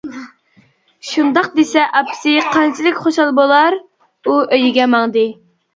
شۇنداق دېسە ئاپىسى قانچىلىك خۇشال بولار؟ ئۇ ئۆيىگە ماڭدى.